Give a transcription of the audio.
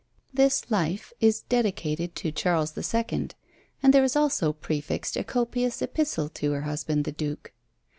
This Life is dedicated to Charles the Second; and there is also prefixed a copious epistle to her husband the duke.